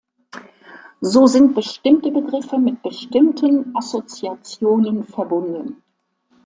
So sind bestimmte Begriffe mit bestimmten Assoziationen verbunden.